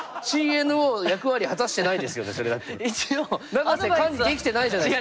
永瀬管理できてないじゃないですか。